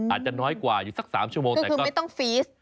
อาจจะน้อยกว่าอยู่สัก๓ชั่วโมงแต่คือไม่ต้องฟีส